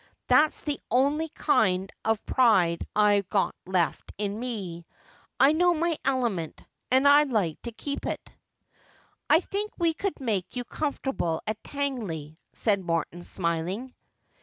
That's the only kind of pride I've got left in me. I know my element, and I like to keep in it.' ' I think we could make you comfortable at Tangley,' said Morton, smiling.